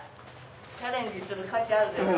チャレンジする価値あるでしょ。